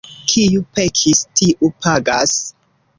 Kiu pekis, tiu pagas.